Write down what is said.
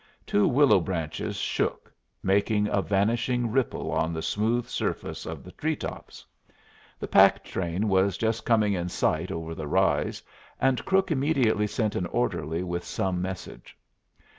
Two willow branches shook, making a vanishing ripple on the smooth surface of the tree tops. The pack train was just coming in sight over the rise, and Crook immediately sent an orderly with some message.